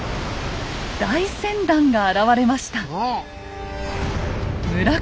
大船団が現れました。